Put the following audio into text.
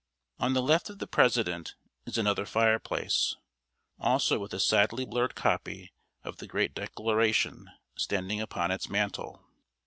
On the left of the president is another fire place, also with a sadly blurred copy of the great Declaration standing upon its mantel.